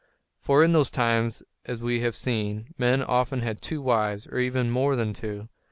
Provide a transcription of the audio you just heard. For in those times, as we have seen, men often had two wives, or even more than two.